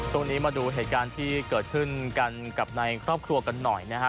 ตรงนี้มาดูเหตุการณ์ที่เกิดขึ้นกันกับในครอบครัวกันหน่อยนะฮะ